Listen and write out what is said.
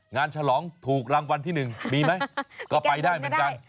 ฉลองถูกรางวัลที่๑มีไหมก็ไปได้เหมือนกัน